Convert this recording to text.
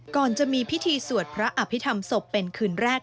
ก่อนจะมีพิธีสวดพระอภิษฐรรมศพเป็นคืนแรก